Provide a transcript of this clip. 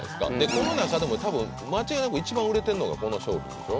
この中でも多分間違いなく一番売れてんのがこの商品でしょ